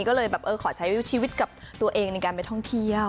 ก็เลยแบบเออขอใช้ชีวิตกับตัวเองในการไปท่องเที่ยว